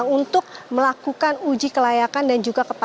untuk melakukan uji kelayakan dan juga kepala